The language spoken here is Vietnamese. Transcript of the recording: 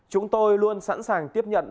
chúng tôi luôn sẵn sàng tiếp nhận